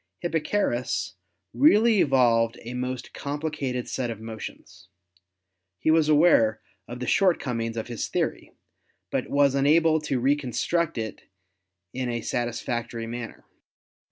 Hipparchus really evolved a most complicated set of motions. He was aware of the short comings of his theory, but was unable to reconstruct it in a satisfactory manner.